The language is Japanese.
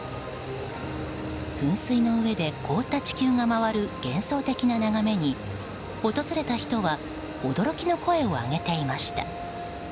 噴水の上で凍った地球が回る幻想的な眺めに訪れた人は驚きの声を上げていました。